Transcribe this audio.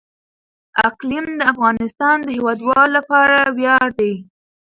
اقلیم د افغانستان د هیوادوالو لپاره ویاړ دی.